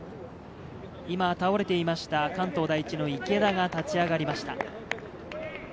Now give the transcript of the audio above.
今、倒れていました関東第一の池田が立ち上がりました。